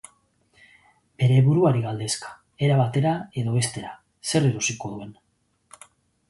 Bere buruari galdezka, era batera edo bestera, zer erosiko duen.